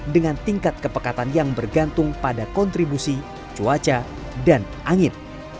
dengan tingkat kepekatan yang bergantung pada kontribusi cuaca dan angin